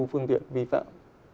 phương tiện vi phạm